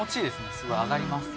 すごい上がります。